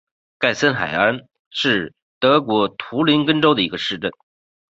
盖森海恩是德国图林根州的一个市镇。